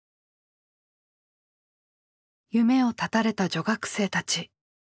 夢をたたれた女学生たち。